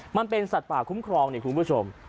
มันเป็นสัตว์ป่าคุ้มครองเนี่ยคุณผู้ชม